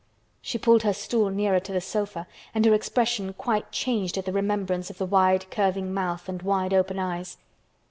She pulled her stool nearer to the sofa and her expression quite changed at the remembrance of the wide curving mouth and wide open eyes.